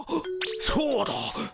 そうだ。